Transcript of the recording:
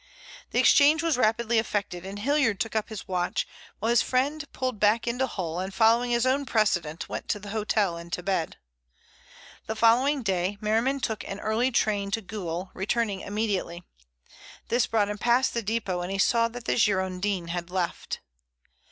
The exchange was rapidly effected, and Hilliard took up his watch, while his friend pulled back into Hull, and following his own precedent, went to the hotel and to bed. The following day Merriman took an early train to Goole, returning immediately. This brought him past the depot, and he saw that the Girondin had left.